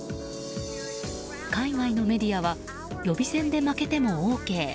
海外のメディアは予備選で負けてもＯＫ